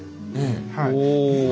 はい。